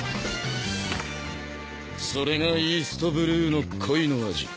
それがイーストブルーの恋の味